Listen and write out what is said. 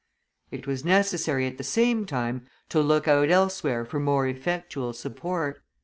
It was necessary, at the same time, to look out elsewhere for more effectual support.